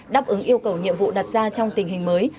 đáp ứng yêu cầu nhiệm vụ đặt ra trong tình hình mới